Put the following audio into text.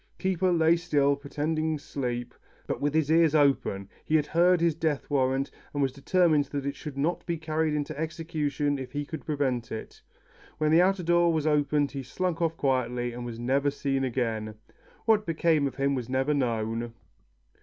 Keeper lay still, pretending sleep, but with his ears open. He had heard his death warrant, and was determined that it should not be carried into execution if he could prevent it. When the outer door was opened, he slunk off quietly, and was never seen again. What became of him was never known.